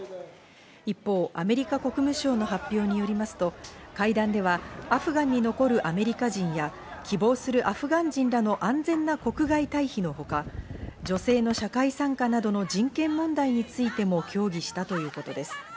一方、アメリカ国務省の発表によりますと、会談ではアフガンに残るアメリカ人や希望するアフガン人らの安全な国外退避のほか、女性の社会参加などの人権問題についても協議したということです。